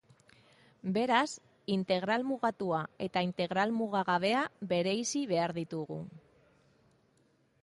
Beraz, integral mugatua eta integral mugagabea bereizi behar ditugu.